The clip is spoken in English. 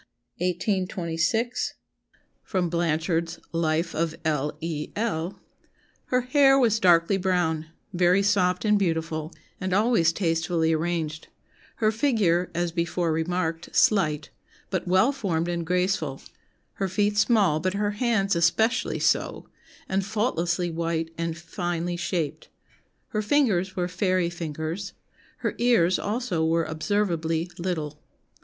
1826. [Sidenote: Blanchard's Life of L. E. L.] "Her hair was 'darkly brown,' very soft and beautiful, and always tastefully arranged; her figure, as before remarked, slight, but well formed and graceful; her feet small, but her hands especially so, and faultlessly white and finely shaped; her fingers were fairy fingers; her ears also were observably little.